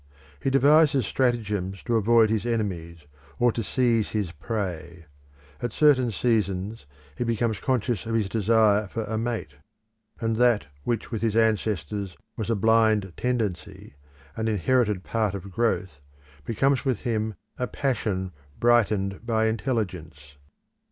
He devises stratagems to avoid his enemies, or to seize his prey. At certain seasons he becomes conscious of his desire for a mate and that which, with his ancestors, was a blind tendency, an inherited part of growth, becomes with him a passion brightened by intelligence.